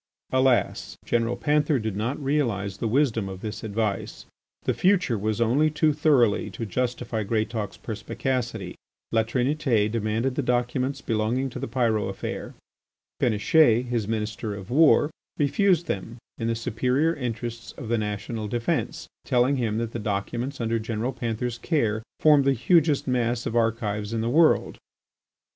Alas! General Panther did not realise the wisdom of this advice. The future was only too thoroughly to justify Greatauk's perspicacity. La Trinité demanded the documents belonging, to the Pyrot affair. Péniche, his Minister of War, refused them in the superior interests of the national defence, telling him that the documents under General Panther's care formed the hugest mass of archives in the world.